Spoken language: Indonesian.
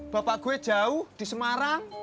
bapak gue jauh di semarang